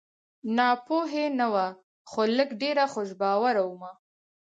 ناپوهي نه وه خو لږ ډېره خوش باوره ومه